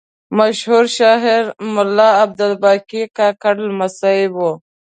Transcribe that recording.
مشهور شاعر ملا عبدالباقي کاکړ لمسی و.